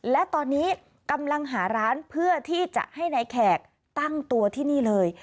และตอนนี้กำลังหาร้านเพื่อที่จะให้นายแขกตั้งตัวที่นี่เลย